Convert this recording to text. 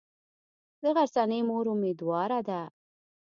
د غرڅنۍ مور امیدواره ده.